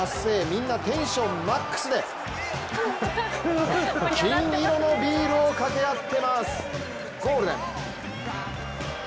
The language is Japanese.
みんなテンションマックスで金色のビールをかけあっています。